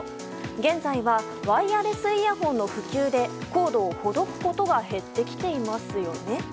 現在はワイヤレスイヤホンの普及でコードをほどくことが減ってきていますよね。